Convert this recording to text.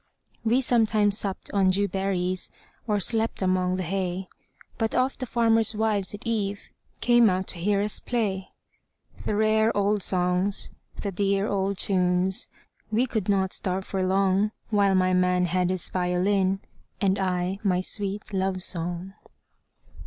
We sometimes supped on dew berries, Or slept among the hay, But oft the farmers' wives at eveCame out to hear us play; The rare old songs, the dear old tunes,—We could not starve for longWhile my man had his violin, And I my sweet love song.